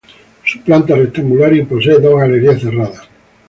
Su Planta es rectangular y posee dos galerías cerradas.